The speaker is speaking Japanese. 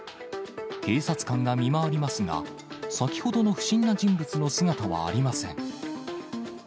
警察官が見回りますが、先ほどの不審な人物の姿はありません。